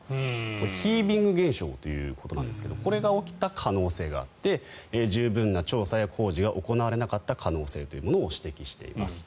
ヒービング現象ということですがこれが起きた可能性があって十分な調査や工事が行われなかった可能性というのを指摘しています。